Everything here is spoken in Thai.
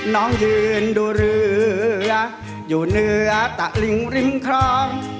น้องยืนดูเรืออยู่เหนือตะลิงริมคลอง